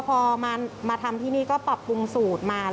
พอมาทำที่นี่ก็ปรับปรุงสูตรมา